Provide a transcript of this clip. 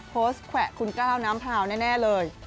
แขวะคุณกล้าวน้ำพราวแน่เลย